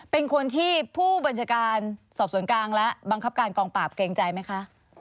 เป็นคนที่ผู้บัญชาการสอบสวนกลางและบังคับการกองปราบเกรงใจไหมคะ